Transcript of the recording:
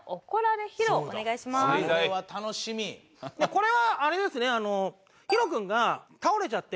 これはあれですね。